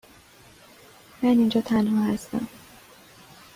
من اینجا تنها هستم.